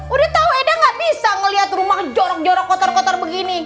udah tau eda nggak bisa melihat rumah jorok jorok kotor kotor begini